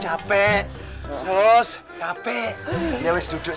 kita istirahat dulu ya